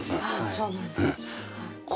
そうなんです。